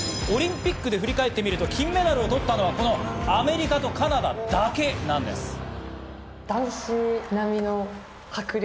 オリンピックで振り返ってみると金メダルを取ったのはこのアメリカとカナダだけなんです。